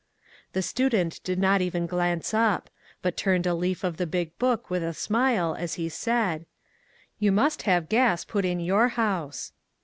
The student did not even glance up, but turned a leaf of the big book with a smile as he said: " You must have gas put in your house."